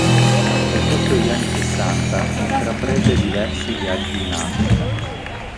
Nel corso degli anni sessanta intraprese diversi viaggi in Africa.